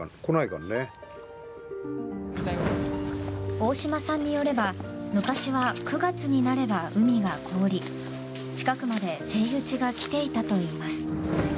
大島さんによれば昔は９月になれば海が凍り近くまでセイウチが来ていたといいます。